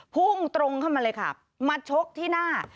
พุ่งตรงเข้ามาเลยค่ะมาชกที่หน้า